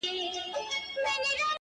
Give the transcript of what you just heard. د غيږي د خوشبو وږم له مياشتو حيسيږي;